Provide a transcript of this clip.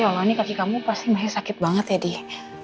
ya allah ini kaki kamu pasti masih sakit banget ya dih